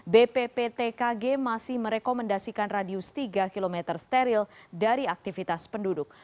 bpptkg masih merekomendasikan radius tiga km steril dari aktivitas penduduk